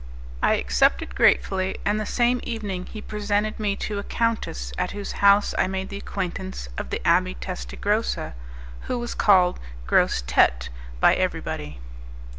I accepted gratefully, and the same evening he presented me to a countess, at whose house I made the acquaintance of the Abbé Testagrossa, who was called Grosse Tete by everybody.